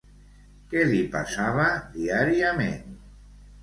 Què li passava diàriament?